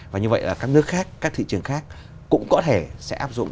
và như vậy là các nước khác các thị trường khác cũng có thể sẽ áp dụng